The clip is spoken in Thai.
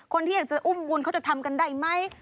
คนที่อยากจะอุ้มบุญเขาจะทำกันได้ไหม